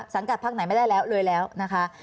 สังกัดพักไหนไม่ได้แล้วเลยแล้วนะคะ